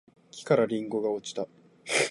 木からりんごが落ちた